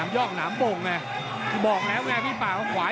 ต้องออกครับอาวุธต้องขยันด้วย